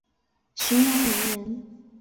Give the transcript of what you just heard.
九江浔阳人人。